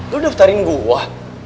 lu daftarin gua